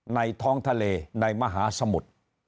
ในท้องทะเลในมหาสมุทร